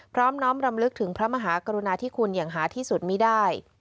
น้อมรำลึกถึงพระมหากรุณาธิคุณอย่างหาที่สุดไม่ได้